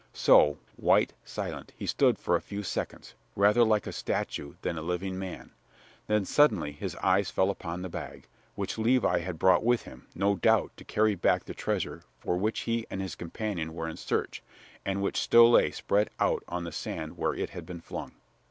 So, white, silent, he stood for a few seconds, rather like a statue than a living man, then, suddenly, his eyes fell upon the bag, which Levi had brought with him, no doubt, to carry back the treasure for which he and his companion were in search, and which still lay spread out on the sand where it had been flung.